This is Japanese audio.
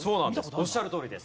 おっしゃるとおりです。